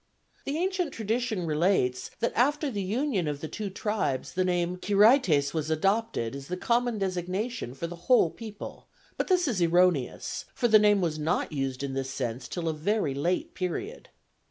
The ancient tradition relates that after the union of the two tribes the name Quirites was adopted as the common designation for the whole people; but this is erroneous, for the name was not used in this sense till a very late period.